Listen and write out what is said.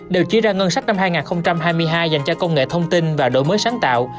đều chỉ ra ngân sách năm hai nghìn hai mươi hai dành cho công nghệ thông tin và đổi mới sáng tạo